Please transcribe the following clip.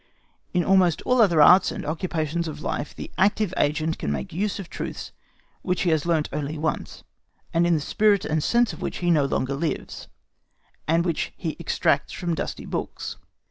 In almost all other arts and occupations of life the active agent can make use of truths which he has only learnt once, and in the spirit and sense of which he no longer lives, and which he extracts from dusty books.